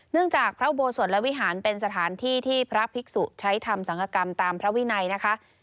จากพระอุโบสถและวิหารเป็นสถานที่ที่พระภิกษุใช้ทำสังฆกรรมตามพระวินัยนะคะ